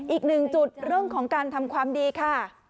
อีกหนึ่งจุดเรื่องของการทำความดีค่ะ